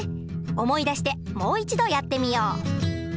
思い出してもう一度やってみよう。